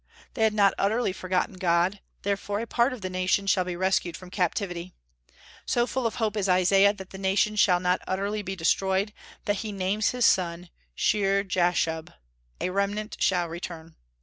They had not utterly forgotten God, therefore a part of the nation shall be rescued from captivity. So full of hope is Isaiah that the nation shall not utterly be destroyed, that he names his son Shear jashub, "a remnant shall return."